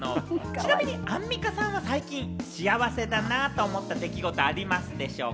ちなみにアンミカさんは最近幸せだなと思った出来事ありますでし